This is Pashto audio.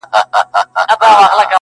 زه چي د شپې خوب كي ږغېږمه دا.